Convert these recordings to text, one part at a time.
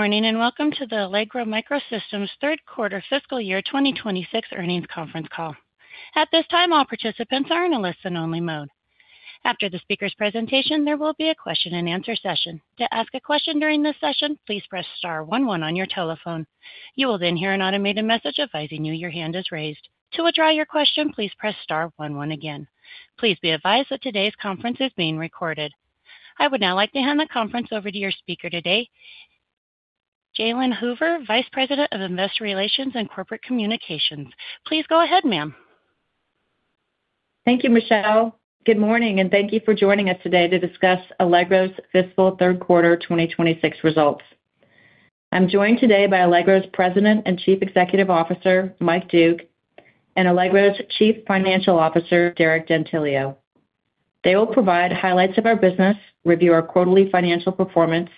Good morning, and welcome to the Allegro MicroSystems third quarter fiscal year 2026 earnings conference call. At this time, all participants are in a listen-only mode. After the speaker's presentation, there will be a question-and-answer session. To ask a question during this session, please press star one one on your telephone. You will then hear an automated message advising you your hand is raised. To withdraw your question, please press star one one again. Please be advised that today's conference is being recorded. I would now like to hand the conference over to your speaker today, Jalene Hoover, Vice President of Investor Relations and Corporate Communications. Please go ahead, ma'am. Thank you, Michelle. Good morning, and thank you for joining us today to discuss Allegro's fiscal third quarter 2026 results. I'm joined today by Allegro's President and Chief Executive Officer, Mike Doogue, and Allegro's Chief Financial Officer, Derek D'Antilio. They will provide highlights of our business, review our quarterly financial performance,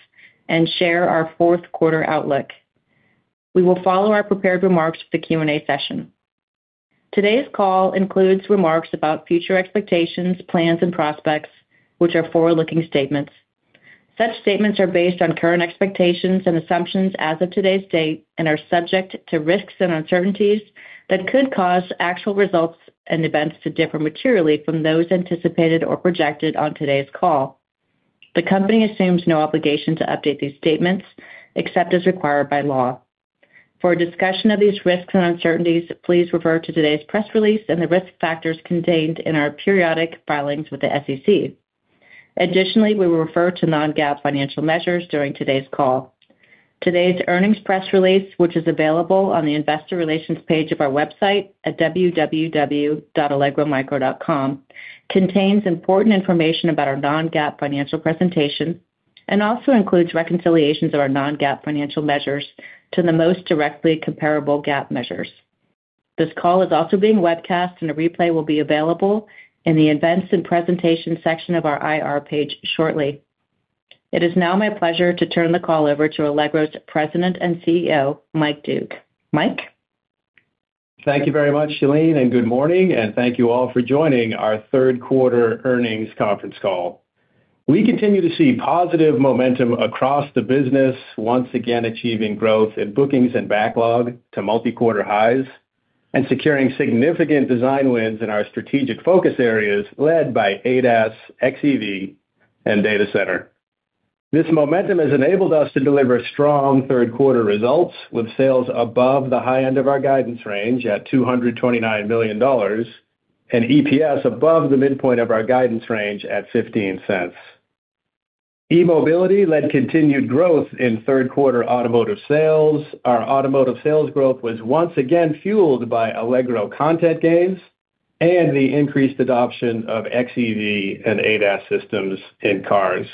and share our fourth quarter outlook. We will follow our prepared remarks with the Q&A session. Today's call includes remarks about future expectations, plans, and prospects, which are forward-looking statements. Such statements are based on current expectations and assumptions as of today's date and are subject to risks and uncertainties that could cause actual results and events to differ materially from those anticipated or projected on today's call. The company assumes no obligation to update these statements except as required by law. For a discussion of these risks and uncertainties, please refer to today's press release and the risk factors contained in our periodic filings with the SEC. Additionally, we will refer to non-GAAP financial measures during today's call. Today's earnings press release, which is available on the investor relations page of our website at www.allegromicro.com, contains important information about our non-GAAP financial presentation and also includes reconciliations of our non-GAAP financial measures to the most directly comparable GAAP measures. This call is also being webcast, and a replay will be available in the Events and Presentations section of our IR page shortly. It is now my pleasure to turn the call over to Allegro's President and CEO, Mike Doogue. Mike? Thank you very much, Jalene, and good morning, and thank you all for joining our third quarter earnings conference call. We continue to see positive momentum across the business, once again achieving growth in bookings and backlog to multi-quarter highs and securing significant design wins in our strategic focus areas, led by ADAS, xEV, and data center. This momentum has enabled us to deliver strong third quarter results, with sales above the high end of our guidance range at $229 million, and EPS above the midpoint of our guidance range at $0.15. e-mobility led continued growth in third quarter automotive sales. Our automotive sales growth was once again fueled by Allegro content gains and the increased adoption of xEV and ADAS systems in cars.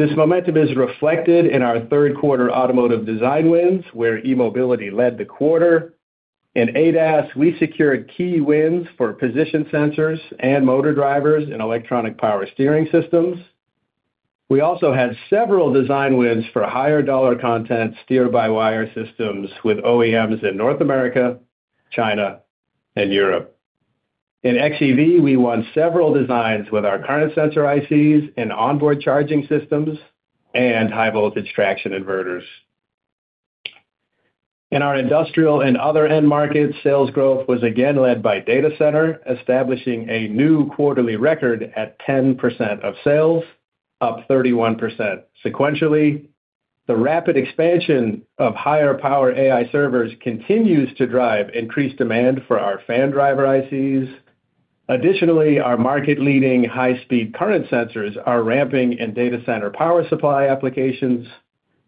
This momentum is reflected in our third quarter automotive design wins, where e-mobility led the quarter. In ADAS, we secured key wins for position sensors and motor drivers in electronic power steering systems. We also had several design wins for higher dollar content steer-by-wire systems with OEMs in North America, China, and Europe. In xEV, we won several designs with our current sensor ICs and onboard charging systems and high-voltage traction inverters. In our industrial and other end markets, sales growth was again led by data center, establishing a new quarterly record at 10% of sales, up 31% sequentially. The rapid expansion of higher power AI servers continues to drive increased demand for our fan driver ICs. Additionally, our market-leading high-speed current sensors are ramping in data center power supply applications,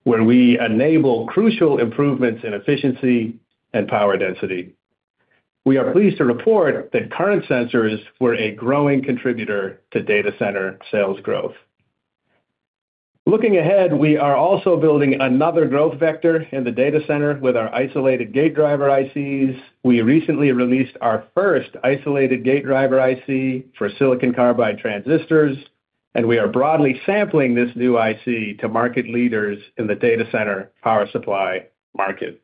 where we enable crucial improvements in efficiency and power density. We are pleased to report that current sensors were a growing contributor to data center sales growth. Looking ahead, we are also building another growth vector in the data center with our isolated gate driver ICs. We recently released our first isolated gate driver IC for silicon carbide transistors, and we are broadly sampling this new IC to market leaders in the data center power supply market.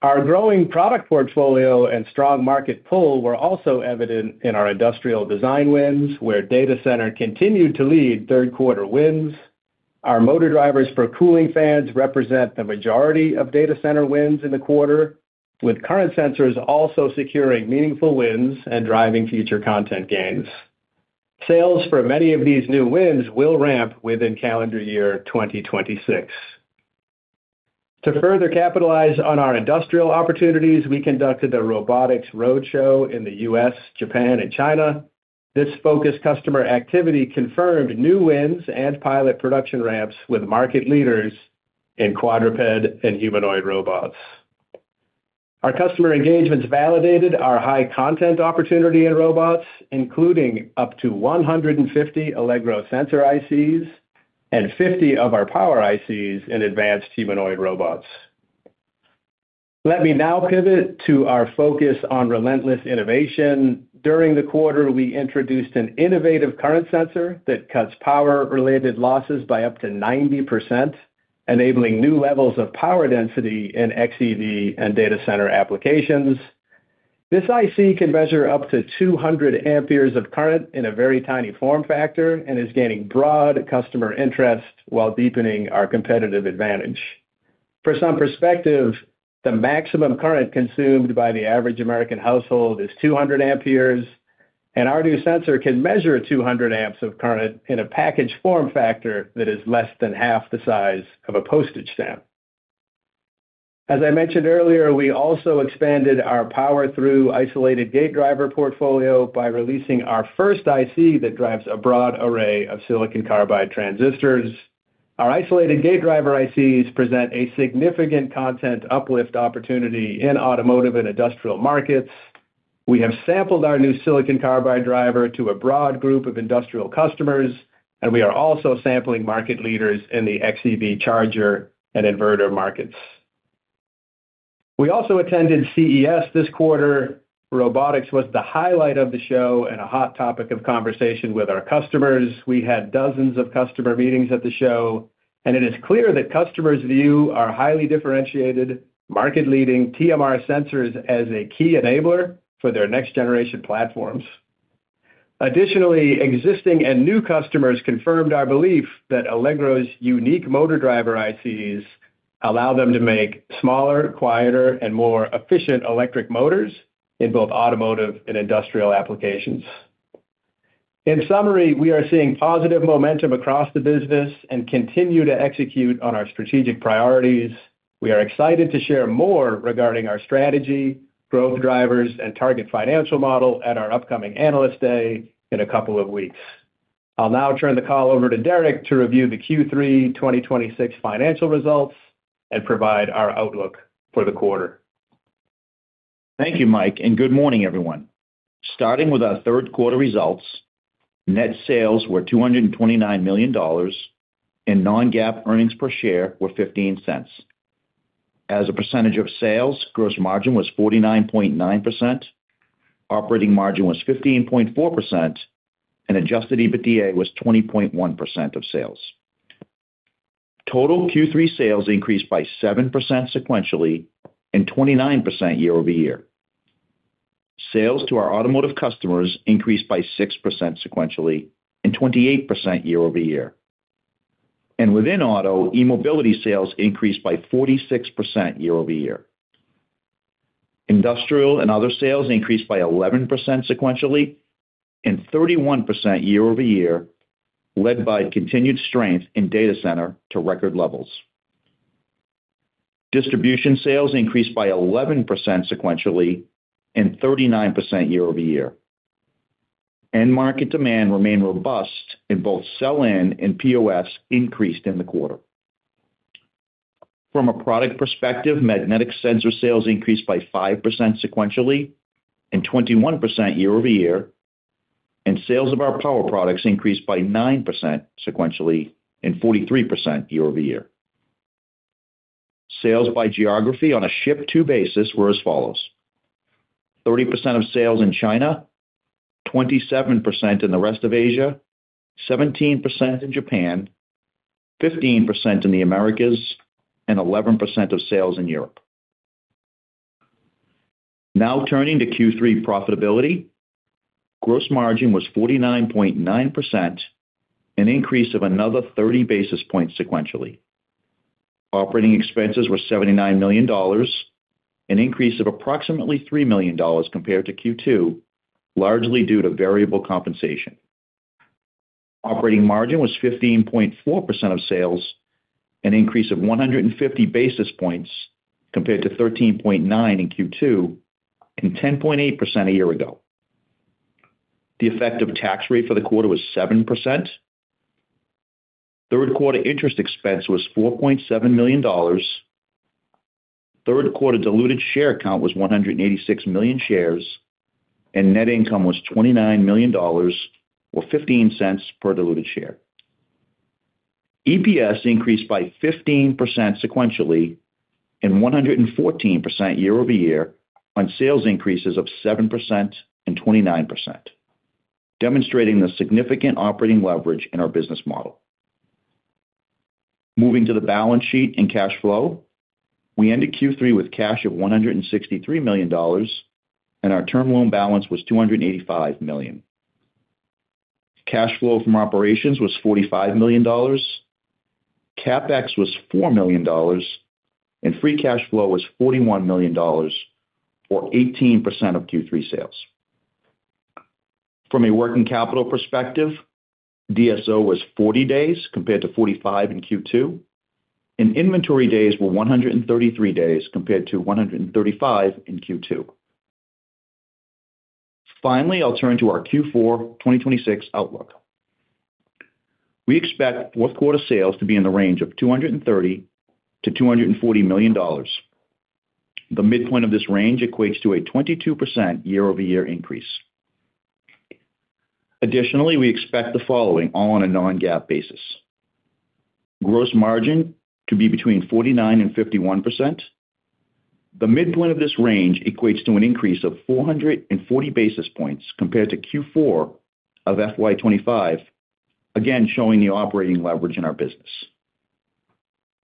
Our growing product portfolio and strong market pull were also evident in our industrial design wins, where data center continued to lead third quarter wins. Our motor drivers for cooling fans represent the majority of data center wins in the quarter, with current sensors also securing meaningful wins and driving future content gains. Sales for many of these new wins will ramp within calendar year 2026. To further capitalize on our industrial opportunities, we conducted a robotics roadshow in the U.S., Japan, and China. This focused customer activity confirmed new wins and pilot production ramps with market leaders in quadruped and humanoid robots. Our customer engagements validated our high content opportunity in robots, including up to 150 Allegro sensor ICs and 50 of our power ICs in advanced humanoid robots. Let me now pivot to our focus on relentless innovation. During the quarter, we introduced an innovative current sensor that cuts power-related losses by up to 90%, enabling new levels of power density in xEV and data center applications. This IC can measure up to 200 amperes of current in a very tiny form factor and is gaining broad customer interest while deepening our competitive advantage. For some perspective, the maximum current consumed by the average American household is 200 amperes, and our new sensor can measure 200 amps of current in a package form factor that is less than half the size of a postage stamp. As I mentioned earlier, we also expanded our power through isolated gate driver portfolio by releasing our first IC that drives a broad array of silicon carbide transistors. Our isolated gate driver ICs present a significant content uplift opportunity in automotive and industrial markets. We have sampled our new silicon carbide driver to a broad group of industrial customers, and we are also sampling market leaders in the xEV charger and inverter markets. We also attended CES this quarter. Robotics was the highlight of the show and a hot topic of conversation with our customers. We had dozens of customer meetings at the show, and it is clear that customers view our highly differentiated, market-leading TMR sensors as a key enabler for their next-generation platforms. Additionally, existing and new customers confirmed our belief that Allegro's unique motor driver ICs allow them to make smaller, quieter, and more efficient electric motors in both automotive and industrial applications. In summary, we are seeing positive momentum across the business and continue to execute on our strategic priorities. We are excited to share more regarding our strategy, growth drivers, and target financial model at our upcoming Analyst Day in a couple of weeks. I'll now turn the call over to Derek to review the Q3 2026 financial results and provide our outlook for the quarter. Thank you, Mike, and good morning, everyone. Starting with our third quarter results, net sales were $229 million, and non-GAAP earnings per share were $0.15. As a percentage of sales, gross margin was 49.9%, operating margin was 15.4%, and adjusted EBITDA was 20.1% of sales. Total Q3 sales increased by 7% sequentially and 29% year-over-year. Sales to our automotive customers increased by 6% sequentially and 28% year-over-year. Within auto, e-mobility sales increased by 46% year-over-year. Industrial and other sales increased by 11% sequentially and 31% year-over-year, led by continued strength in data center to record levels. Distribution sales increased by 11% sequentially and 39% year-over-year. End market demand remained robust, and both sell-in and POS increased in the quarter. From a product perspective, magnetic sensor sales increased by 5% sequentially and 21% year over year, and sales of our power products increased by 9% sequentially and 43% year over year. Sales by geography on a ship-to basis were as follows: 30% of sales in China, 27% in the rest of Asia, 17% in Japan, 15% in the Americas, and 11% of sales in Europe. Now, turning to Q3 profitability. Gross margin was 49.9%, an increase of another 30 basis points sequentially. Operating expenses were $79 million, an increase of approximately $3 million compared to Q2, largely due to variable compensation. Operating margin was 15.4% of sales, an increase of 150 basis points compared to 13.9 in Q2 and 10.8% a year ago. The effective tax rate for the quarter was 7%. Third quarter interest expense was $4.7 million. Third quarter diluted share count was 186 million shares, and net income was $29 million, or $0.15 per diluted share. EPS increased by 15% sequentially and 114% year-over-year, on sales increases of 7% and 29%, demonstrating the significant operating leverage in our business model. Moving to the balance sheet and cash flow. We ended Q3 with cash of $163 million, and our term loan balance was $285 million. Cash flow from operations was $45 million, CapEx was $4 million, and free cash flow was $41 million, or 18% of Q3 sales. From a working capital perspective, DSO was 40 days compared to 45 in Q2, and inventory days were 133 days, compared to 135 in Q2. Finally, I'll turn to our Q4 2026 outlook. We expect fourth quarter sales to be in the range of $230 million-$240 million. The midpoint of this range equates to a 22% year-over-year increase. Additionally, we expect the following, all on a non-GAAP basis. Gross margin to be between 49% and 51%. The midpoint of this range equates to an increase of 440 basis points compared to Q4 of FY 2025, again, showing the operating leverage in our business....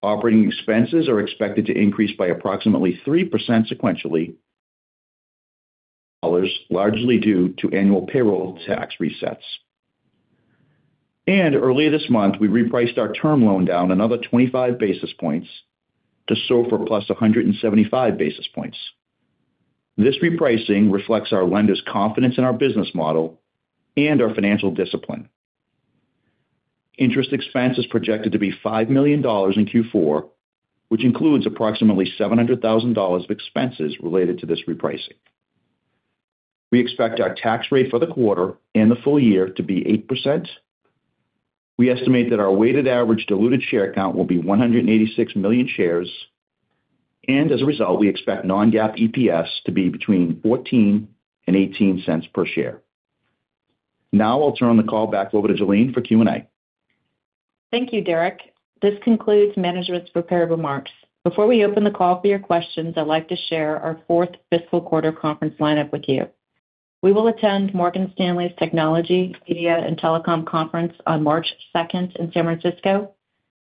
Operating expenses are expected to increase by approximately 3% sequentially, dollars, largely due to annual payroll tax resets. Earlier this month, we repriced our term loan down another 25 basis points to SOFR plus 175 basis points. This repricing reflects our lender's confidence in our business model and our financial discipline. Interest expense is projected to be $5 million in Q4, which includes approximately $700,000 of expenses related to this repricing. We expect our tax rate for the quarter and the full year to be 8%. We estimate that our weighted average diluted share count will be 186 million shares, and as a result, we expect non-GAAP EPS to be between $0.14 and $0.18 per share. Now I'll turn the call back over to Jalene for Q&A. Thank you, Derek. This concludes management's prepared remarks. Before we open the call for your questions, I'd like to share our fourth fiscal quarter conference lineup with you. We will attend Morgan Stanley's Technology, Media, and Telecom Conference on March 2nd in San Francisco,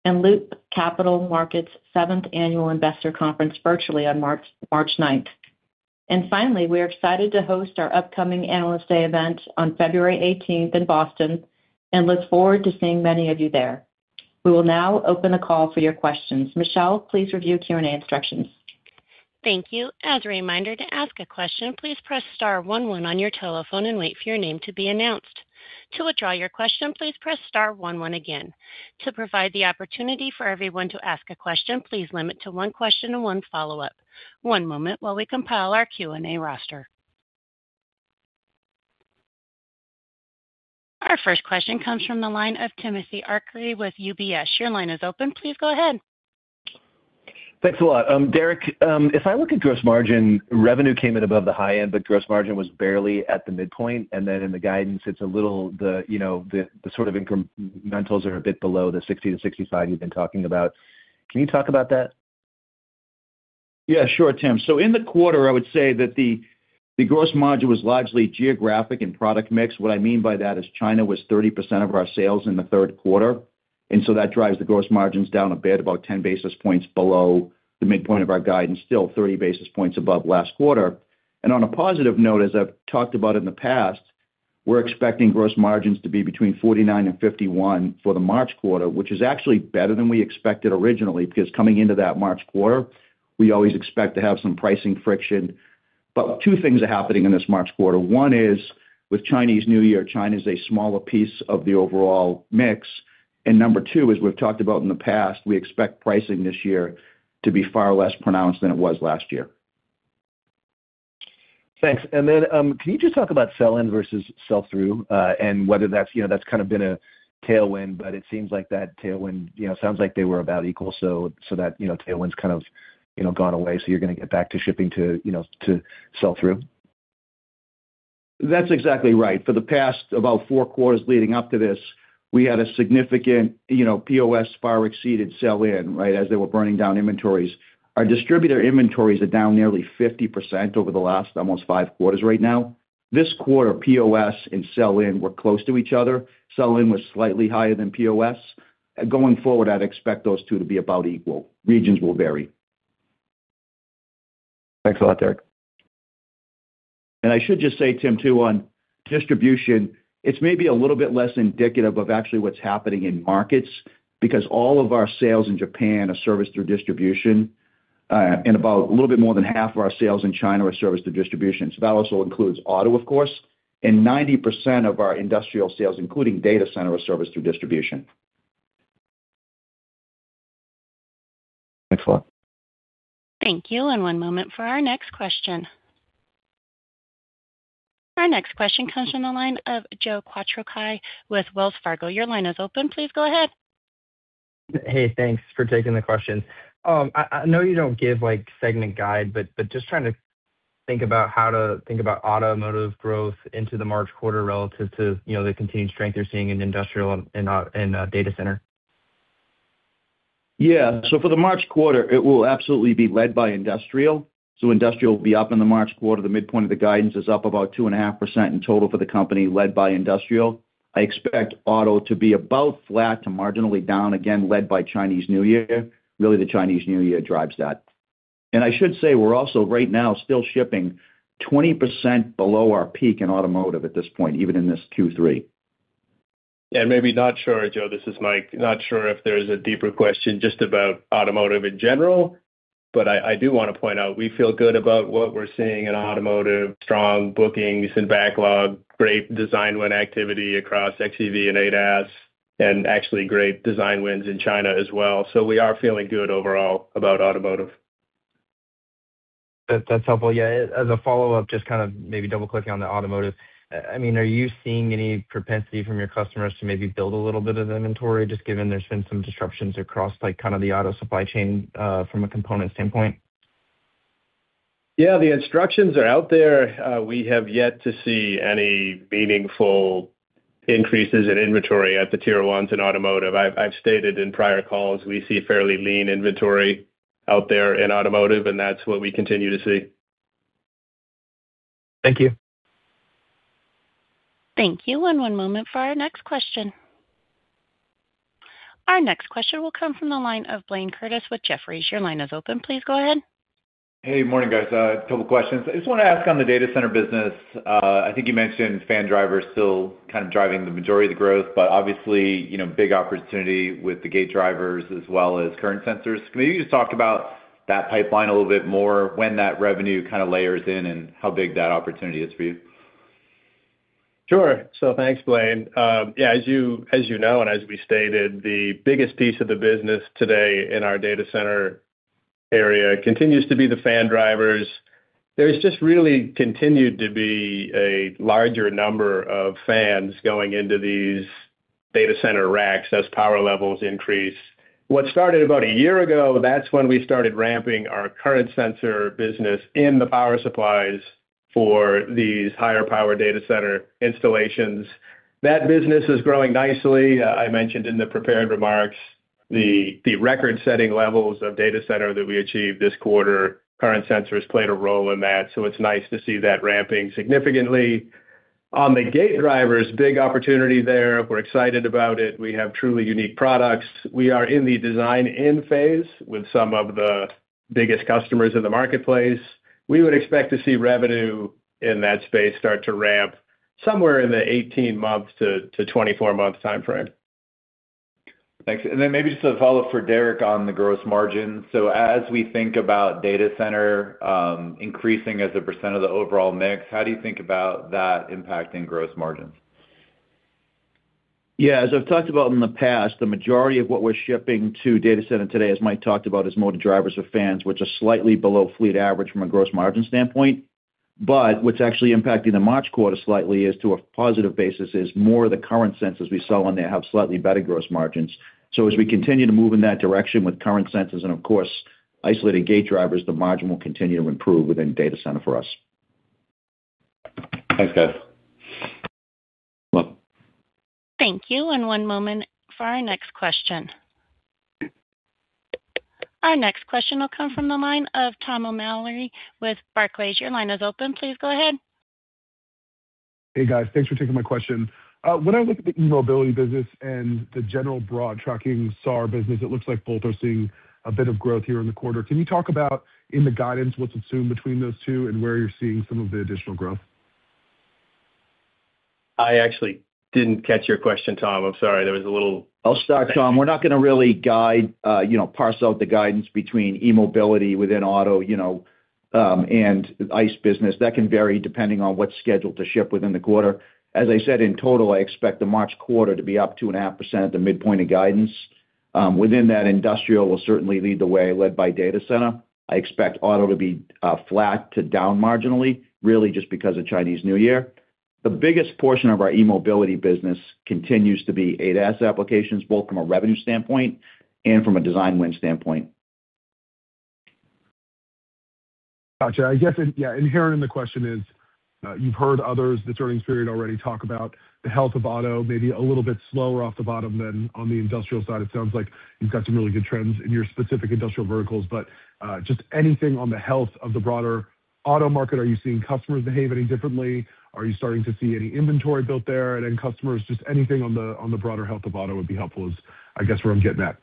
and Loop Capital Markets Seventh Annual Investor Conference virtually on March 9th. And finally, we are excited to host our upcoming Analyst Day event on February 18th in Boston and look forward to seeing many of you there. We will now open the call for your questions. Michelle, please review Q&A instructions. Thank you. As a reminder, to ask a question, please press star one one on your telephone and wait for your name to be announced. To withdraw your question, please press star one one again. To provide the opportunity for everyone to ask a question, please limit to one question and one follow-up. One moment while we compile our Q&A roster. Our first question comes from the line of Timothy Arcuri with UBS. Your line is open. Please go ahead. Thanks a lot. Derek, if I look at gross margin, revenue came in above the high end, but gross margin was barely at the midpoint, and then in the guidance, it's a little, you know, the sort of incrementals are a bit below the 60-65 you've been talking about. Can you talk about that? Yeah, sure, Tim. So in the quarter, I would say that the gross margin was largely geographic and product mix. What I mean by that is China was 30% of our sales in the third quarter, and so that drives the gross margins down a bit, about 10 basis points below the midpoint of our guidance, still 30 basis points above last quarter. And on a positive note, as I've talked about in the past, we're expecting gross margins to be between 49 and 51 for the March quarter, which is actually better than we expected originally, because coming into that March quarter, we always expect to have some pricing friction. But two things are happening in this March quarter. One is, with Chinese New Year, China is a smaller piece of the overall mix. Number two, as we've talked about in the past, we expect pricing this year to be far less pronounced than it was last year. Thanks. Then, can you just talk about sell-in versus sell-through, and whether that's, you know, that's kind of been a tailwind, but it seems like that tailwind, you know, sounds like they were about equal, so that, you know, tailwind's kind of, you know, gone away, so you're gonna get back to shipping to, you know, to sell-through? That's exactly right. For the past, about 4 quarters leading up to this, we had a significant, you know, POS far exceeded sell-in, right, as they were burning down inventories. Our distributor inventories are down nearly 50% over the last almost 5 quarters right now. This quarter, POS and sell-in were close to each other. Sell-in was slightly higher than POS. Going forward, I'd expect those two to be about equal. Regions will vary. Thanks a lot, Derek. I should just say, Tim, too, on distribution, it's maybe a little bit less indicative of actually what's happening in markets, because all of our sales in Japan are serviced through distribution, and about a little bit more than half of our sales in China are serviced through distribution. So that also includes auto, of course, and 90% of our industrial sales, including data center, are serviced through distribution. Thanks a lot. Thank you, and one moment for our next question. Our next question comes from the line of Joe Quatrochi with Wells Fargo. Your line is open. Please go ahead. Hey, thanks for taking the question. I know you don't give, like, segment guide, but just trying to think about how to think about automotive growth into the March quarter relative to, you know, the continued strength you're seeing in industrial and in data center. Yeah. So for the March quarter, it will absolutely be led by industrial. So industrial will be up in the March quarter. The midpoint of the guidance is up about 2.5% in total for the company, led by industrial. I expect auto to be about flat to marginally down again, led by Chinese New Year. Really, the Chinese New Year drives that. And I should say we're also right now still shipping 20% below our peak in automotive at this point, even in this Q3. Maybe not sure, Joe, this is Mike. Not sure if there's a deeper question just about automotive in general, but I, I do wanna point out, we feel good about what we're seeing in automotive, strong bookings and backlog, great design win activity across xEV and ADAS, and actually great design wins in China as well. So we are feeling good overall about automotive. That, that's helpful. Yeah, as a follow-up, just kind of maybe double-clicking on the automotive. I mean, are you seeing any propensity from your customers to maybe build a little bit of inventory, just given there's been some disruptions across, like, kind of the auto supply chain, from a component standpoint? Yeah, the instructions are out there. We have yet to see any meaningful increases in inventory at the tier ones in automotive. I've stated in prior calls, we see fairly lean inventory out there in automotive, and that's what we continue to see. Thank you. Thank you. One moment for our next question. Our next question will come from the line of Blayne Curtis with Jefferies. Your line is open. Please go ahead. Hey, morning, guys. A couple questions. I just wanna ask on the data center business. I think you mentioned fan drivers still kind of driving the majority of the growth, but obviously, you know, big opportunity with the gate drivers as well as current sensors. Can you just talk about that pipeline a little bit more, when that revenue kinda layers in, and how big that opportunity is for you? Sure. So thanks, Blayne. Yeah, as you, as you know, and as we stated, the biggest piece of the business today in our data center area continues to be the fan drivers. There's just really continued to be a larger number of fans going into these data center racks as power levels increase. What started about a year ago, that's when we started ramping our current sensor business in the power supplies for these higher power data center installations. That business is growing nicely. I mentioned in the prepared remarks the, the record-setting levels of data center that we achieved this quarter, current sensors played a role in that, so it's nice to see that ramping significantly. On the gate drivers, big opportunity there. We're excited about it. We have truly unique products. We are in the design end phase with some of the biggest customers in the marketplace. We would expect to see revenue in that space start to ramp somewhere in the 18 months to 24 months timeframe. Thanks. Then maybe just a follow-up for Derek on the gross margin. So as we think about data center, increasing as a percent of the overall mix, how do you think about that impacting gross margins? Yeah, as I've talked about in the past, the majority of what we're shipping to data center today, as Mike talked about, is motor drivers or fans, which are slightly below fleet average from a gross margin standpoint. But what's actually impacting the March quarter slightly is, to a positive basis, is more of the current sensors we sell, and they have slightly better gross margins. So as we continue to move in that direction with current sensors and, of course, isolated gate drivers, the margin will continue to improve within data center for us. Thanks, guys. Thank you. One moment for our next question. Our next question will come from the line of Tom O'Malley with Barclays. Your line is open. Please go ahead. Hey, guys. Thanks for taking my question. When I look at the e-mobility business and the general broad trucking SAM business, it looks like both are seeing a bit of growth here in the quarter. Can you talk about, in the guidance, what's assumed between those two and where you're seeing some of the additional growth? I actually didn't catch your question, Tom. I'm sorry. There was a little- I'll start, Tom. We're not gonna really guide, you know, parse out the guidance between e-mobility within auto, you know, and ICE business. That can vary depending on what's scheduled to ship within the quarter. As I said, in total, I expect the March quarter to be up 2.5% at the midpoint of guidance. Within that, industrial will certainly lead the way, led by data center. I expect auto to be, flat to down marginally, really just because of Chinese New Year. The biggest portion of our e-mobility business continues to be ADAS applications, both from a revenue standpoint and from a design win standpoint. Gotcha. I guess, and yeah, inherent in the question is, you've heard others this earnings period already talk about the health of auto, maybe a little bit slower off the bottom than on the industrial side. It sounds like you've got some really good trends in your specific industrial verticals, but, just anything on the health of the broader auto market. Are you seeing customers behave any differently? Are you starting to see any inventory built there and then customers, just anything on the broader health of auto would be helpful, is I guess where I'm getting at.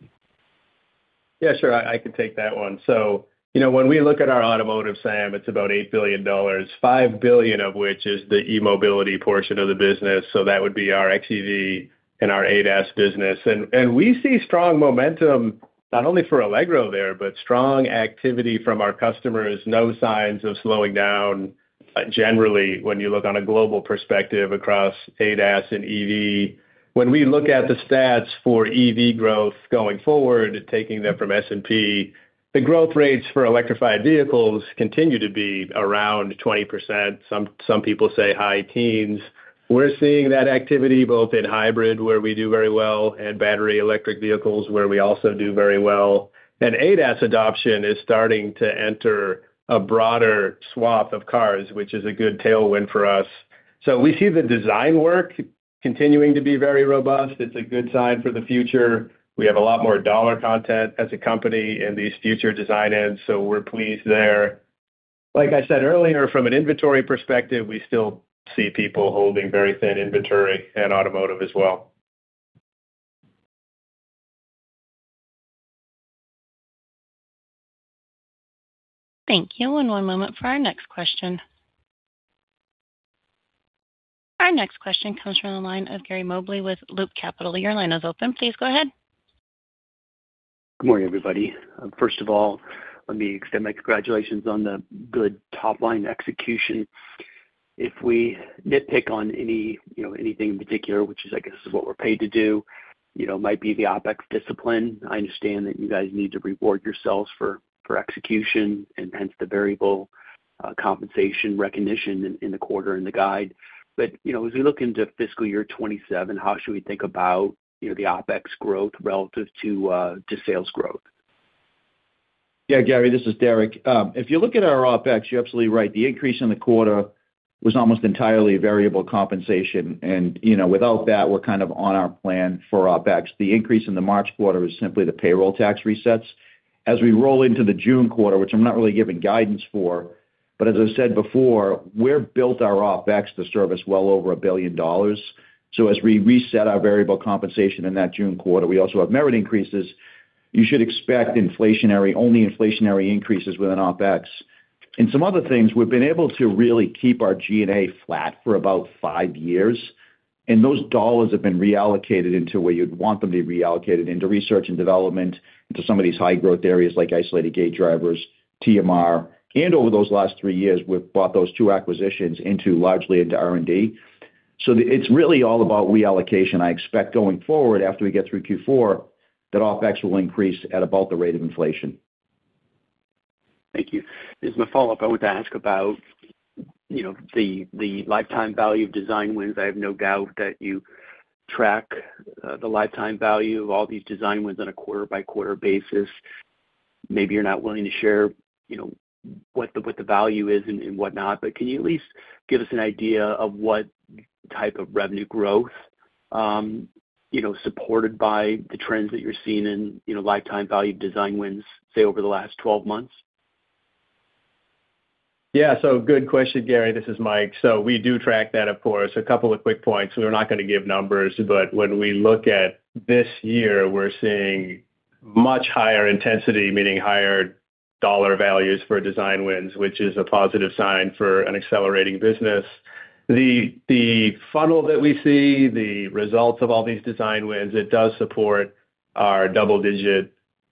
Yeah, sure. I, I can take that one. So, you know, when we look at our automotive SAM, it's about $8 billion, $5 billion of which is the e-mobility portion of the business, so that would be our xEV and our ADAS business. And we see strong momentum, not only for Allegro there, but strong activity from our customers. No signs of slowing down, generally, when you look on a global perspective across ADAS and EV. When we look at the stats for EV growth going forward, taking them from S&P, the growth rates for electrified vehicles continue to be around 20%. Some people say high teens. We're seeing that activity both in hybrid, where we do very well, and battery electric vehicles, where we also do very well. ADAS adoption is starting to enter a broader swath of cars, which is a good tailwind for us. So we see the design work continuing to be very robust. It's a good sign for the future. We have a lot more dollar content as a company in these future design-ins, so we're pleased there. Like I said earlier, from an inventory perspective, we still see people holding very thin inventory in automotive as well. Thank you, and one moment for our next question. Our next question comes from the line of Gary Mobley with Loop Capital. Your line is open. Please go ahead. Good morning, everybody. First of all, let me extend my congratulations on the good top-line execution. If we nitpick on any, you know, anything in particular, which is, I guess, what we're paid to do, you know, might be the OpEx discipline. I understand that you guys need to reward yourselves for, for execution, and hence the variable, compensation recognition in, in the quarter and the guide. But, you know, as we look into fiscal year 2027, how should we think about, you know, the OpEx growth relative to, to sales growth? Yeah, Gary, this is Derek. If you look at our OpEx, you're absolutely right. The increase in the quarter was almost entirely variable compensation, and, you know, without that, we're kind of on our plan for OpEx. The increase in the March quarter is simply the payroll tax resets. As we roll into the June quarter, which I'm not really giving guidance for. But as I said before, we've built our OpEx to service well over $1 billion. So as we reset our variable compensation in that June quarter, we also have merit increases. You should expect inflationary, only inflationary increases within OpEx. And some other things, we've been able to really keep our G&A flat for about five years, and those dollars have been reallocated into where you'd want them to be reallocated, into research and development, into some of these high-growth areas like isolated gate drivers, TMR. And over those last three years, we've bought those two acquisitions into largely into R&D. So it's really all about reallocation. I expect going forward, after we get through Q4, that OpEx will increase at about the rate of inflation. Thank you. As my follow-up, I want to ask about, you know, the lifetime value of design wins. I have no doubt that you track the lifetime value of all these design wins on a quarter-by-quarter basis. Maybe you're not willing to share, you know, what the value is and whatnot, but can you at least give us an idea of what type of revenue growth, you know, supported by the trends that you're seeing in, you know, lifetime value design wins, say, over the last 12 months? Yeah, so good question, Gary. This is Mike. So we do track that, of course. A couple of quick points. We're not gonna give numbers, but when we look at this year, we're seeing much higher intensity, meaning higher dollar values for design wins, which is a positive sign for an accelerating business. The funnel that we see, the results of all these design wins, it does support our double-digit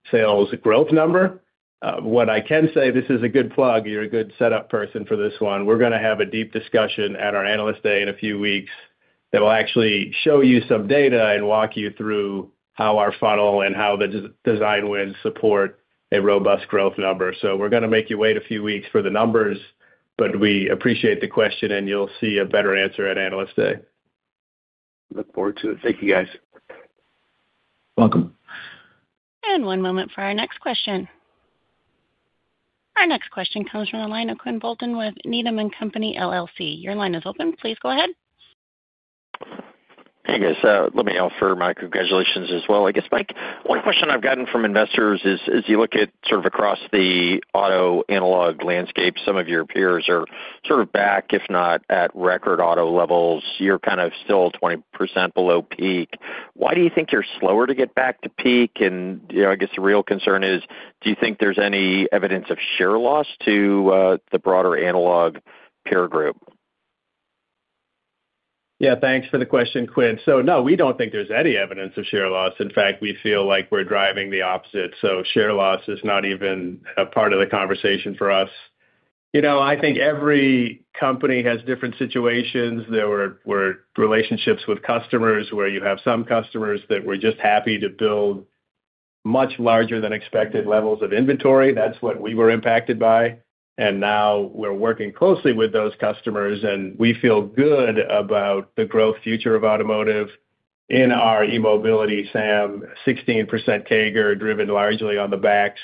sales growth number. What I can say, this is a good plug. You're a good setup person for this one. We're gonna have a deep discussion at our Analyst Day in a few weeks that will actually show you some data and walk you through how our funnel and how the design wins support a robust growth number. So we're gonna make you wait a few weeks for the numbers, but we appreciate the question, and you'll see a better answer at Analyst Day. Look forward to it. Thank you, guys. Welcome. One moment for our next question. Our next question comes from the line of Quinn Bolton with Needham & Company, LLC. Your line is open. Please go ahead. Hey, guys. Let me offer my congratulations as well. I guess, Mike, one question I've gotten from investors is, as you look at sort of across the auto analog landscape, some of your peers are sort of back, if not at record auto levels. You're kind of still 20% below peak. Why do you think you're slower to get back to peak? And, you know, I guess the real concern is, do you think there's any evidence of share loss to the broader analog peer group? Yeah, thanks for the question, Quinn. So no, we don't think there's any evidence of share loss. In fact, we feel like we're driving the opposite, so share loss is not even a part of the conversation for us. You know, I think every company has different situations. There were relationships with customers, where you have some customers that were just happy to build much larger than expected levels of inventory. That's what we were impacted by, and now we're working closely with those customers, and we feel good about the growth future of automotive in our e-mobility, SAM, 16% CAGR, driven largely on the backs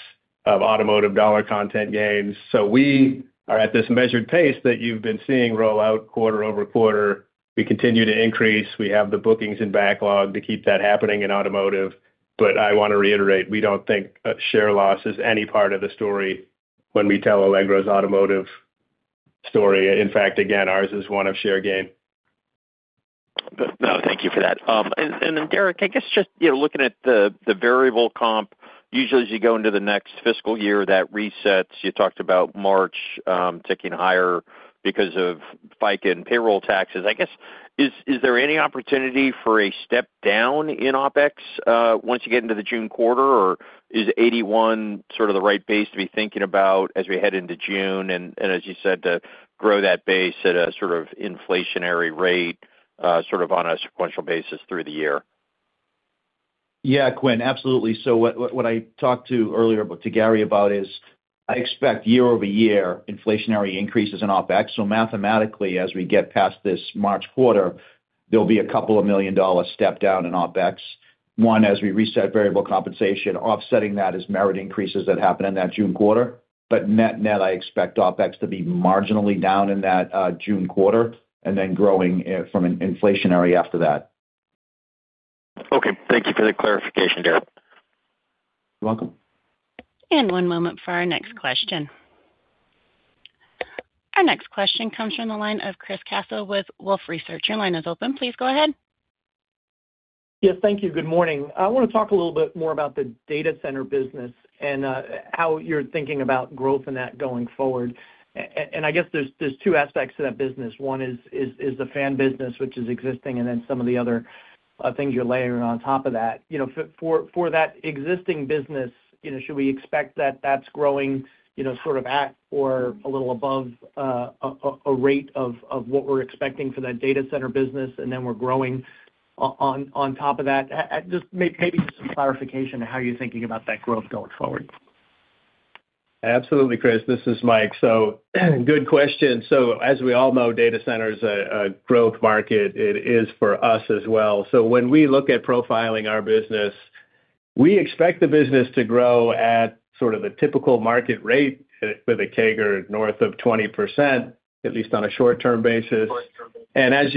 of automotive dollar content gains. So we are at this measured pace that you've been seeing roll out quarter over quarter. We continue to increase. We have the bookings and backlog to keep that happening in automotive, but I want to reiterate, we don't think a share loss is any part of the story when we tell Allegro's automotive story. In fact, again, ours is one of share gain. No, thank you for that. And then, Derek, I guess just, you know, looking at the variable comp, usually as you go into the next fiscal year, that resets. You talked about March ticking higher because of FICA and payroll taxes. I guess, is there any opportunity for a step down in OpEx, once you get into the June quarter? Or is $81 sort of the right base to be thinking about as we head into June, and as you said, to grow that base at a sort of inflationary rate, sort of on a sequential basis through the year? Yeah, Quinn, absolutely. So what I talked to earlier to Gary about is, I expect year-over-year inflationary increases in OpEx. So mathematically, as we get past this March quarter, there'll be a $2 million step down in OpEx. One, as we reset variable compensation, offsetting that is merit increases that happen in that June quarter. But net-net, I expect OpEx to be marginally down in that June quarter, and then growing from an inflationary after that. Okay, thank you for the clarification, Derek. You're welcome. One moment for our next question. Our next question comes from the line of Chris Caso with Wolfe Research. Your line is open. Please go ahead. Yes, thank you. Good morning. I want to talk a little bit more about the data center business and how you're thinking about growth in that going forward. And I guess there's two aspects to that business. One is the fan business, which is existing, and then some of the other things you're layering on top of that. You know, for that existing business, you know, should we expect that that's growing, you know, sort of at or a little above a rate of what we're expecting for that data center business, and then we're growing on top of that? Just maybe some clarification on how you're thinking about that growth going forward. Absolutely, Chris. This is Mike. Good question. As we all know, data center is a growth market. It is for us as well. When we look at profiling our business, we expect the business to grow at sort of a typical market rate for the CAGR, north of 20%, at least on a short-term basis. And as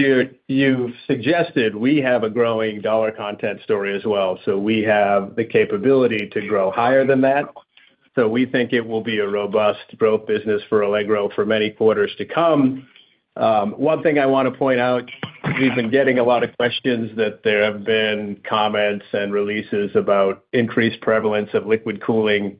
you've suggested, we have a growing dollar content story as well, so we have the capability to grow higher than that. We think it will be a robust growth business for Allegro for many quarters to come. One thing I wanna point out, we've been getting a lot of questions that there have been comments and releases about increased prevalence of liquid cooling.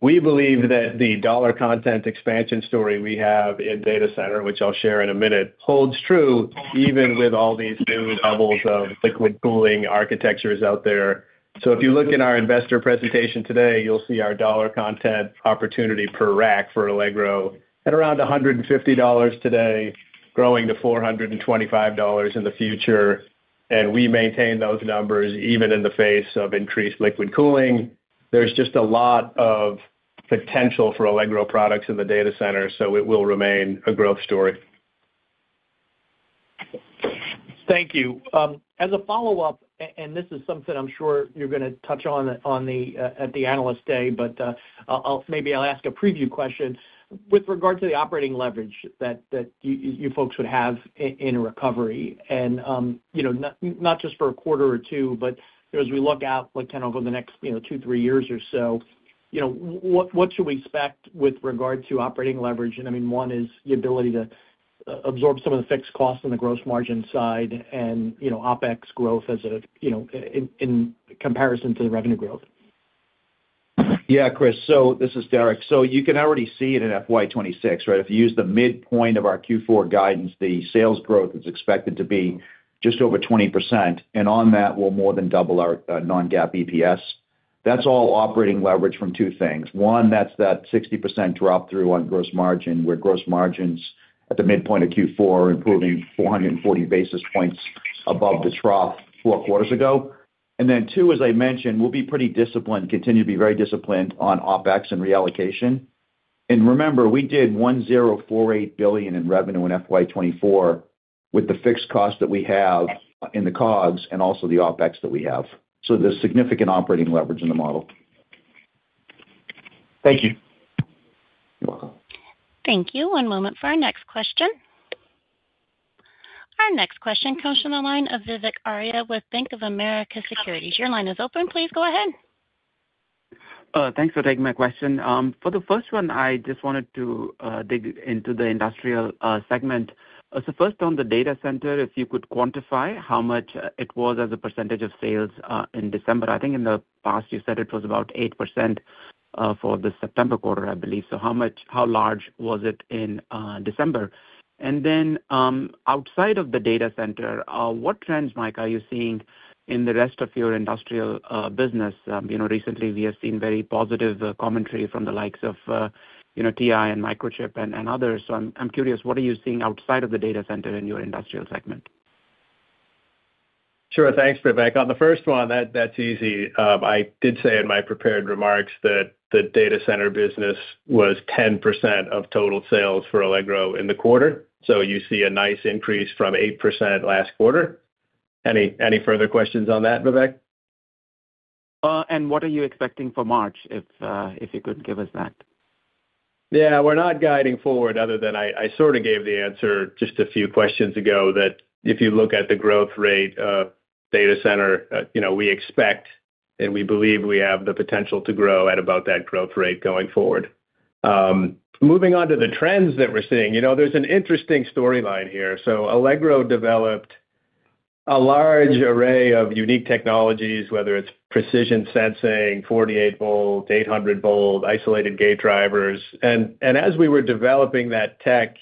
We believe that the dollar content expansion story we have in data center, which I'll share in a minute, holds true even with all these new levels of liquid cooling architectures out there. So if you look in our investor presentation today, you'll see our dollar content opportunity per rack for Allegro at around $150 today, growing to $425 in the future, and we maintain those numbers even in the face of increased liquid cooling. There's just a lot of potential for Allegro products in the data center, so it will remain a growth story. Thank you. As a follow-up, and this is something I'm sure you're gonna touch on, on the at the Analyst Day, but, I'll maybe I'll ask a preview question. With regard to the operating leverage that you folks would have in a recovery, and, you know, not just for a quarter or two, but, you know, as we look out, like, kind of over the next, you know, two, three years or so, you know, what should we expect with regard to operating leverage? And I mean, one is the ability to absorb some of the fixed costs on the gross margin side and, you know, OpEx growth as a, you know, in comparison to the revenue growth. Yeah, Chris. So this is Derek. So you can already see it in FY 2026, right? If you use the midpoint of our Q4 guidance, the sales growth is expected to be just over 20%, and on that will more than double our non-GAAP EPS. That's all operating leverage from two things: one, that's that 60% drop through on gross margin, where gross margins at the midpoint of Q4 are improving 440 basis points above the trough four quarters ago. And then two, as I mentioned, we'll be pretty disciplined, continue to be very disciplined on OpEx and reallocation. And remember, we did $1.048 billion in revenue in FY 2024 with the fixed cost that we have in the COGS and also the OpEx that we have. So there's significant operating leverage in the model. Thank you. You're welcome. Thank you. One moment for our next question. Our next question comes from the line of Vivek Arya with Bank of America Securities. Your line is open. Please go ahead. Thanks for taking my question. For the first one, I just wanted to dig into the industrial segment. So first, on the data center, if you could quantify how much it was as a percentage of sales in December. I think in the past you said it was about 8% for the September quarter, I believe. So how much- how large was it in December? And then, outside of the data center, what trends, Mike, are you seeing in the rest of your industrial business? You know, recently we have seen very positive commentary from the likes of, you know, TI and Microchip and others. So I'm curious, what are you seeing outside of the data center in your industrial segment? Sure. Thanks, Vivek. On the first one, that, that's easy. I did say in my prepared remarks that the data center business was 10% of total sales for Allegro in the quarter, so you see a nice increase from 8% last quarter. Any further questions on that, Vivek? What are you expecting for March, if you could give us that? Yeah, we're not guiding forward other than I, I sort of gave the answer just a few questions ago, that if you look at the growth rate of data center, you know, we expect and we believe we have the potential to grow at about that growth rate going forward. Moving on to the trends that we're seeing, you know, there's an interesting storyline here. So Allegro developed a large array of unique technologies, whether it's precision sensing, 48 V, 800 V isolated gate drivers. And as we were developing that tech,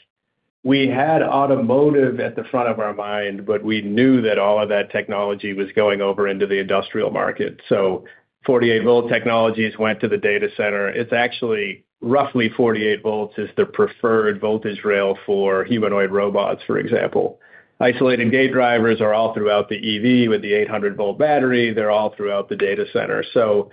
we had automotive at the front of our mind, but we knew that all of that technology was going over into the industrial market. So 48 V technologies went to the data center. It's actually roughly 48 V is the preferred voltage rail for humanoid robots, for example. Isolated gate drivers are all throughout the EV with the 800 V battery. They're all throughout the data center. So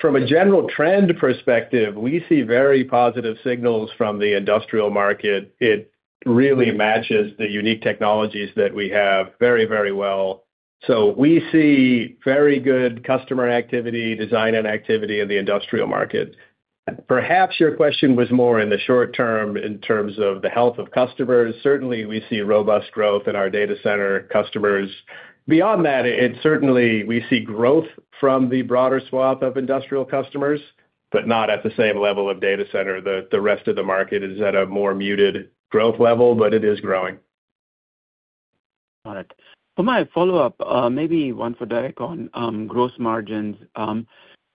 from a general trend perspective, we see very positive signals from the industrial market. It really matches the unique technologies that we have very, very well. So we see very good customer activity, design and activity in the industrial market. Perhaps your question was more in the short term in terms of the health of customers. Certainly, we see robust growth in our data center customers. Beyond that, it certainly we see growth from the broader swath of industrial customers, but not at the same level of data center. The rest of the market is at a more muted growth level, but it is growing. Got it. For my follow-up, maybe one for Derek on gross margins.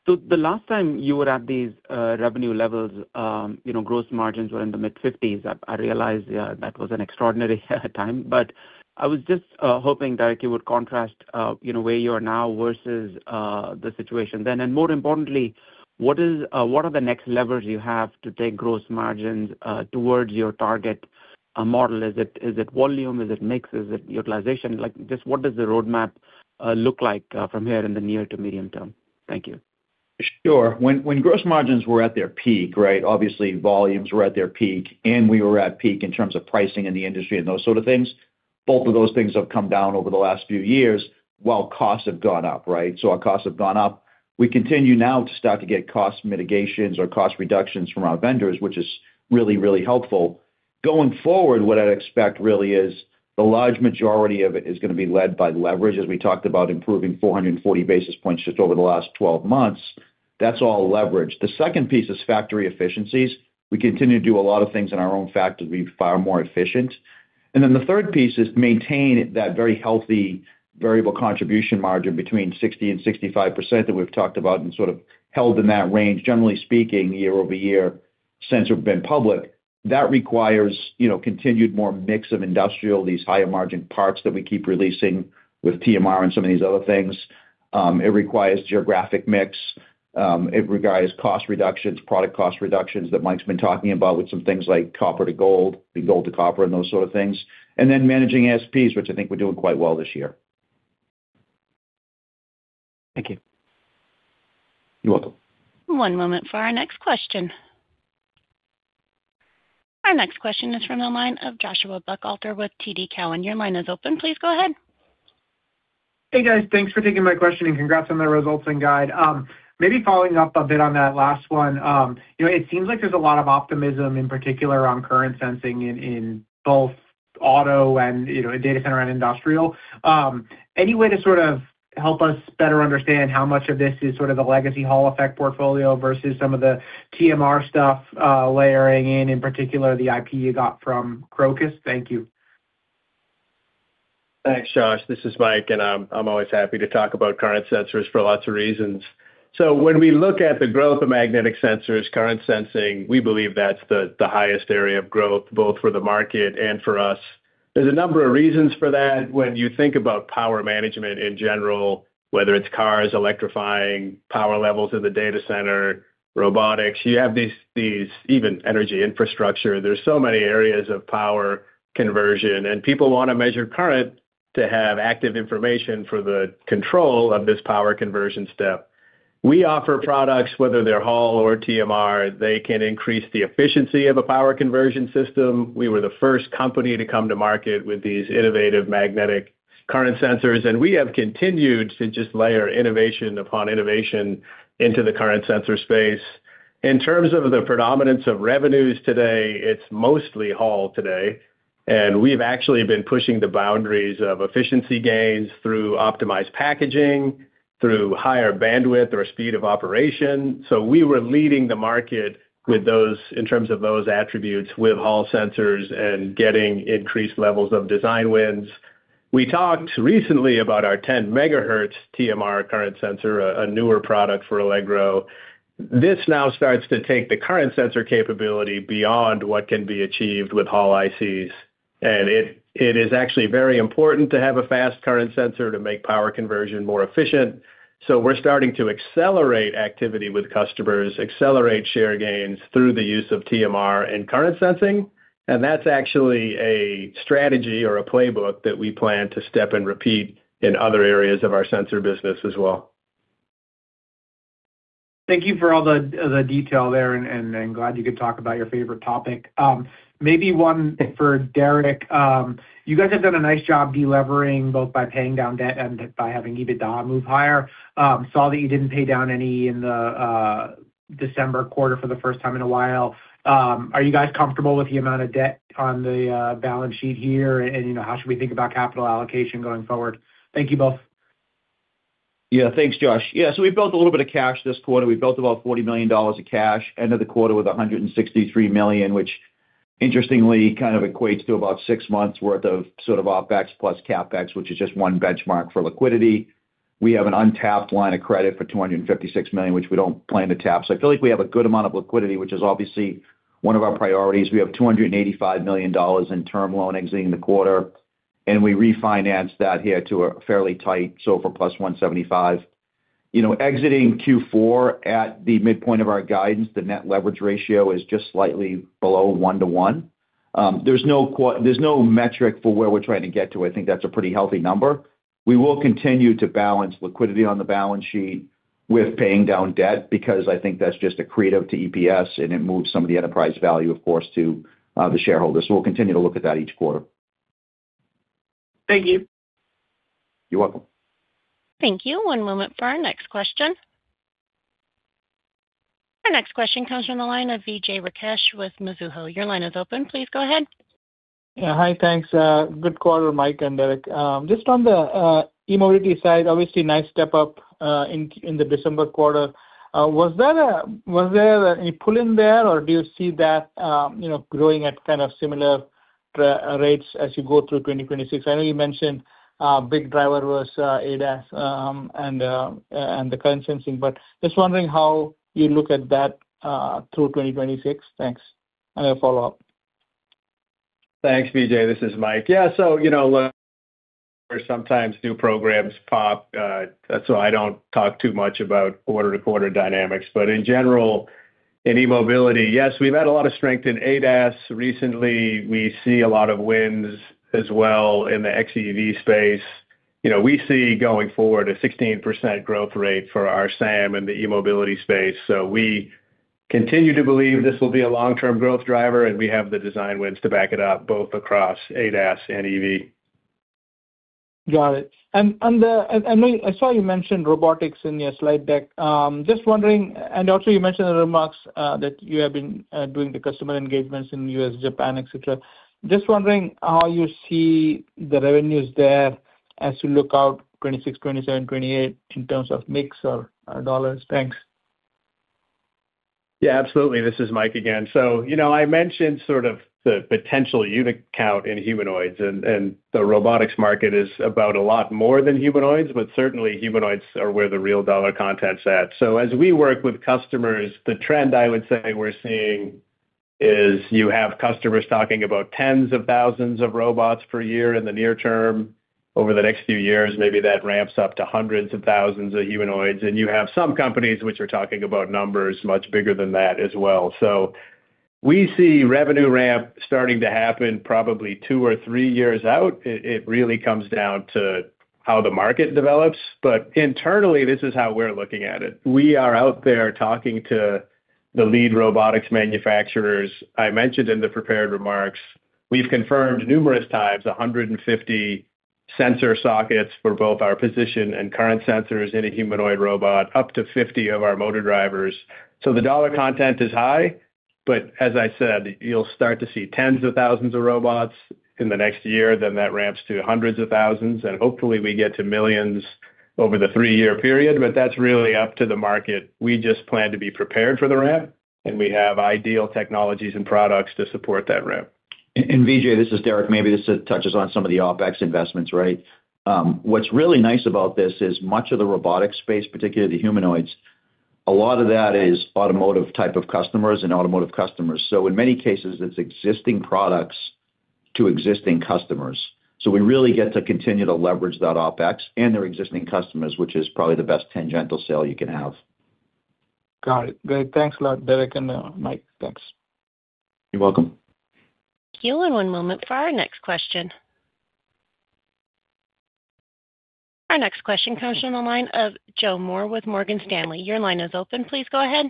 So the last time you were at these revenue levels, you know, gross margins were in the mid-50s%. I realize, yeah, that was an extraordinary time, but I was just hoping, Derek, you would contrast, you know, where you are now versus the situation then. And more importantly, what are the next levers you have to take gross margins toward your target model? Is it volume? Is it mix? Is it utilization? Like, just what does the roadmap look like from here in the near to medium term? Thank you. Sure. When gross margins were at their peak, right, obviously volumes were at their peak, and we were at peak in terms of pricing in the industry and those sort of things. Both of those things have come down over the last few years, while costs have gone up, right? So our costs have gone up. We continue now to start to get cost mitigations or cost reductions from our vendors, which is really, really helpful. Going forward, what I'd expect really is the large majority of it is gonna be led by leverage, as we talked about improving 440 basis points just over the last 12 months. That's all leverage. The second piece is factory efficiencies. We continue to do a lot of things in our own factories to be far more efficient. And then the third piece is maintain that very healthy variable contribution margin between 60% and 65% that we've talked about, and sort of held in that range, generally speaking, year over year since we've been public. That requires, you know, continued more mix of industrial, these higher margin parts that we keep releasing with TMR and some of these other things. It requires geographic mix. It requires cost reductions, product cost reductions that Mike's been talking about with some things like copper to gold, and gold to copper and those sort of things, and then managing ASPs, which I think we're doing quite well this year. Thank you. You're welcome. One moment for our next question. Our next question is from the line of Joshua Buchalter with TD Cowen. Your line is open. Please go ahead. Hey, guys. Thanks for taking my question, and congrats on the results and guide. Maybe following up a bit on that last one, you know, it seems like there's a lot of optimism, in particular, around current sensing in both auto and, you know, in data center and industrial. Any way to sort of help us better understand how much of this is sort of the legacy Hall-effect portfolio versus some of the TMR stuff, layering in, in particular, the IP you got from Crocus? Thank you. Thanks, Josh. This is Mike, and I'm always happy to talk about current sensors for lots of reasons. So when we look at the growth of magnetic sensors, current sensing, we believe that's the highest area of growth, both for the market and for us. There's a number of reasons for that. When you think about power management in general, whether it's cars, electrifying power levels in the data center, robotics, you have these, even energy infrastructure. There're so many areas of power conversion, and people wanna measure current to have active information for the control of this power conversion step. We offer products, whether they're Hall or TMR, they can increase the efficiency of a power conversion system. We were the first company to come to market with these innovative magnetic current sensors, and we have continued to just layer innovation upon innovation into the current sensor space. In terms of the predominance of revenues today, it's mostly Hall today, and we've actually been pushing the boundaries of efficiency gains through optimized packaging, through higher bandwidth or speed of operation. So we were leading the market with those, in terms of those attributes, with Hall sensors and getting increased levels of design wins. We talked recently about our 10 MHz TMR current sensor, a newer product for Allegro. This now starts to take the current sensor capability beyond what can be achieved with Hall ICs, and it is actually very important to have a fast current sensor to make power conversion more efficient. We're starting to accelerate activity with customers, accelerate share gains through the use of TMR and current sensing, and that's actually a strategy or a playbook that we plan to step and repeat in other areas of our sensor business as well. Thank you for all the, the detail there, and, and glad you could talk about your favorite topic. Maybe one for Derek. You guys have done a nice job delevering, both by paying down debt and by having EBITDA move higher. Saw that you didn't pay down any in the December quarter for the first time in a while. Are you guys comfortable with the amount of debt on the balance sheet here? And, you know, how should we think about capital allocation going forward? Thank you both. Yeah, thanks, Josh. Yeah, so we built a little bit of cash this quarter. We built about $40 million of cash, end of the quarter with $163 million, which interestingly, kind of equates to about six months worth of sort of OpEx plus CapEx, which is just one benchmark for liquidity. We have an untapped line of credit for $256 million, which we don't plan to tap. So I feel like we have a good amount of liquidity, which is obviously one of our priorities. We have $285 million in term loan exiting the quarter, and we refinanced that here to a fairly tight, so SOFR plus 175. You know, exiting Q4 at the midpoint of our guidance, the net leverage ratio is just slightly below 1-to-1. There's no metric for where we're trying to get to. I think that's a pretty healthy number. We will continue to balance liquidity on the balance sheet with paying down debt, because I think that's just accretive to EPS, and it moves some of the enterprise value, of course, to the shareholders. So we'll continue to look at that each quarter. Thank you. You're welcome. Thank you. One moment for our next question. Our next question comes from the line of Vijay Rakesh with Mizuho. Your line is open. Please go ahead. Yeah, hi, thanks. Good quarter, Mike and Derek. Just on the e-mobility side, obviously, nice step up in the December quarter. Was there any pull in there, or do you see that, you know, growing at kind of similar rates as you go through 2026? I know you mentioned big driver was ADAS and the current sensing, but just wondering how you look at that through 2026. Thanks, and I follow up. Thanks, Vijay. This is Mike. Yeah, so you know, sometimes new programs pop, so I don't talk too much about quarter-to-quarter dynamics. But in general, in e-mobility, yes, we've had a lot of strength in ADAS. Recently, we see a lot of wins as well in the xEV space. You know, we see going forward, a 16% growth rate for our SAM in the e-mobility space. So we continue to believe this will be a long-term growth driver, and we have the design wins to back it up, both across ADAS and EV. Got it. And I saw you mentioned robotics in your slide deck. Just wondering, and also you mentioned in the remarks that you have been doing the customer engagements in U.S., Japan, et cetera. Just wondering how you see the revenues there as you look out 2026, 2027, 2028 in terms of mix or dollars. Thanks. Yeah, absolutely. This is Mike again. So, you know, I mentioned sort of the potential unit count in humanoids, and the robotics market is about a lot more than humanoids, but certainly humanoids are where the real dollar content's at. So as we work with customers, the trend I would say we're seeing is you have customers talking about tens of thousands of robots per year in the near term. Over the next few years, maybe that ramps up to hundreds of thousands of humanoids. And you have some companies which are talking about numbers much bigger than that as well. So we see revenue ramp starting to happen probably 2 or 3 years out. It really comes down to how the market develops, but internally, this is how we're looking at it. We are out there talking to the lead robotics manufacturers. I mentioned in the prepared remarks, we've confirmed numerous times, 150 sensor sockets for both our position and current sensors in a humanoid robot, up to 50 of our motor drivers. So the dollar content is high, but as I said, you'll start to see tens of thousands of robots in the next year, then that ramps to hundreds of thousands, and hopefully we get to millions over the three-year period, but that's really up to the market. We just plan to be prepared for the ramp, and we have ideal technologies and products to support that ramp. Vijay, this is Derek. Maybe this touches on some of the OpEx investments, right? What's really nice about this is much of the robotic space, particularly the humanoids, a lot of that is automotive type of customers and automotive customers. So in many cases, it's existing products to existing customers. So we really get to continue to leverage that OpEx and their existing customers, which is probably the best tangential sale you can have. Got it. Great. Thanks a lot, Derek and, Mike. Thanks. You're welcome. Thank you. One moment for our next question. Our next question comes from the line of Joe Moore with Morgan Stanley. Your line is open. Please go ahead.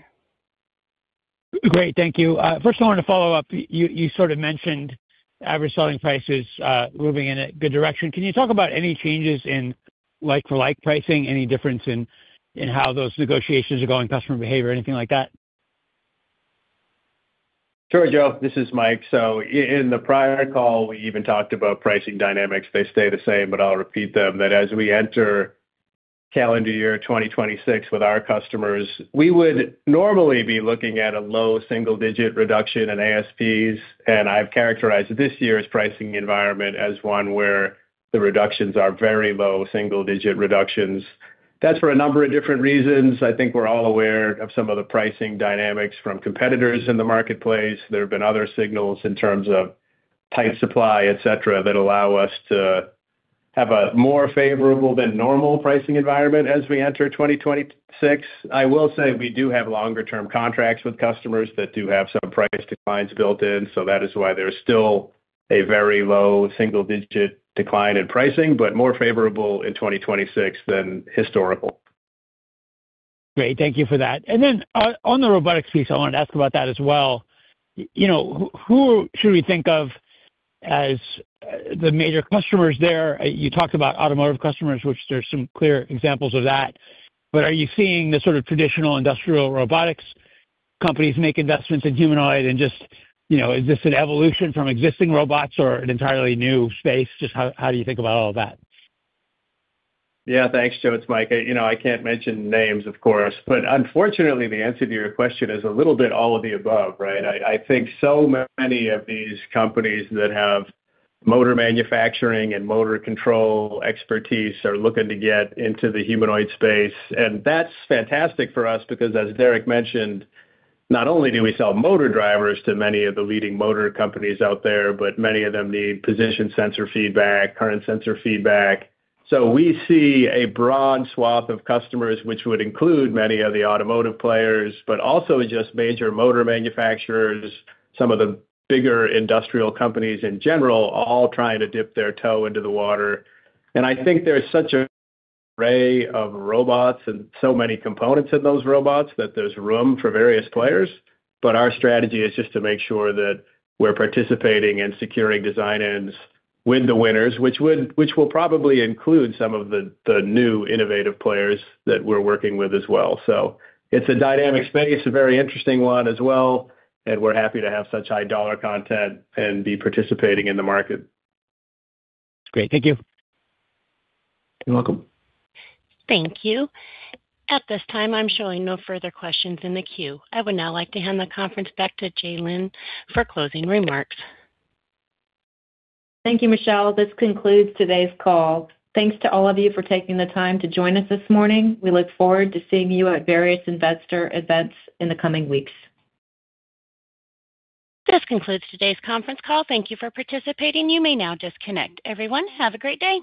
Great. Thank you. First I wanted to follow up. You sort of mentioned average selling prices moving in a good direction. Can you talk about any changes in like-for-like pricing? Any difference in how those negotiations are going, customer behavior, anything like that? Sure, Joe. This is Mike. So in the prior call, we even talked about pricing dynamics. They stay the same, but I'll repeat them, that as we enter calendar year 2026 with our customers, we would normally be looking at a low single-digit reduction in ASPs, and I've characterized this year's pricing environment as one where the reductions are very low, single-digit reductions. That's for a number of different reasons. I think we're all aware of some of the pricing dynamics from competitors in the marketplace. There have been other signals in terms of tight supply, et cetera, that allow us to have a more favorable than normal pricing environment as we enter 2026. I will say we do have longer term contracts with customers that do have some price declines built in, so that is why there is still a very low single-digit decline in pricing, but more favorable in 2026 than historical. Great. Thank you for that. And then on the robotics piece, I wanted to ask about that as well. You know, who should we think of as, the major customers there? You talked about automotive customers, which there's some clear examples of that, but are you seeing the sort of traditional industrial robotics companies make investments in humanoid? And just, you know, is this an evolution from existing robots or an entirely new space? Just how do you think about all of that? Yeah, thanks, Joe. It's Mike. You know, I can't mention names, of course, but unfortunately, the answer to your question is a little bit all of the above, right? I think so many of these companies that have motor manufacturing and motor control expertise are looking to get into the humanoid space. And that's fantastic for us because, as Derek mentioned, not only do we sell motor drivers to many of the leading motor companies out there, but many of them need position sensor feedback, current sensor feedback. So we see a broad swath of customers, which would include many of the automotive players, but also just major motor manufacturers, some of the bigger industrial companies in general, all trying to dip their toe into the water. And I think there's such an array of robots and so many components in those robots that there's room for various players. But our strategy is just to make sure that we're participating and securing design wins with the winners, which will probably include some of the new innovative players that we're working with as well. So it's a dynamic space, a very interesting one as well, and we're happy to have such high dollar content and be participating in the market. Great. Thank you. You're welcome. Thank you. At this time, I'm showing no further questions in the queue. I would now like to hand the conference back to Jalene for closing remarks. Thank you, Michelle. This concludes today's call. Thanks to all of you for taking the time to join us this morning. We look forward to seeing you at various investor events in the coming weeks. This concludes today's conference call. Thank you for participating. You may now disconnect. Everyone, have a great day.